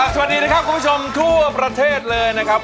สวัสดีนะครับคุณผู้ชมทั่วประเทศเลยนะครับ